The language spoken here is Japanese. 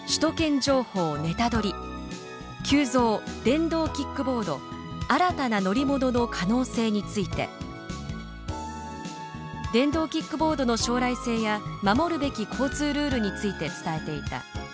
電動キックボード“新たな乗り物”の可能性」について「電動キックボードの将来性や守るべき交通ルールについて伝えていた。